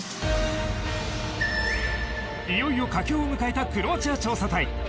いよいよ佳境を迎えたクロアチア調査隊。